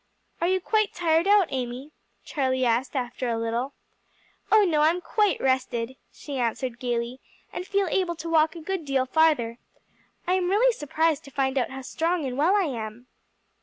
"Are you quite tired out, Amy?" Charlie asked after a little. "Oh no, I'm quite rested," she answered gayly, "and feel able to walk a good deal farther. I am really surprised to find how strong and well I am."